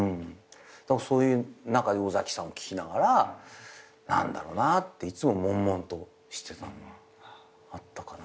そういう中で尾崎さん聴きながら何だろうなっていつももんもんとしてたのはあったかな。